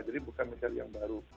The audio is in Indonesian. jadi bukan misal yang baru